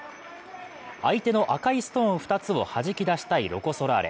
相手の赤いストーン２つを弾き出したいロコ・ソラーレ。